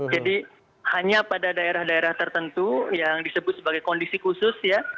jadi hanya pada daerah daerah tertentu yang disebut sebagai kondisi khusus ya